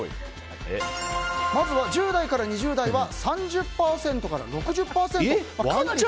まずは１０代から２０代は３０％から６０％。